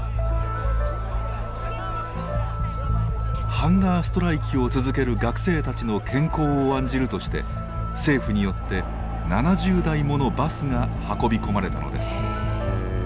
ハンガーストライキを続ける学生たちの健康を案じるとして政府によって７０台ものバスが運び込まれたのです。